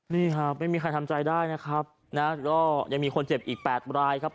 นี่ครับไม่มีใครทำใจได้นะครับนะก็ยังมีคนเจ็บอีก๘รายครับ